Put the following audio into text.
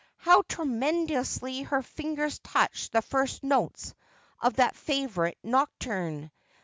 How tremulously her fingers touched the first notes of that favourite nocturn !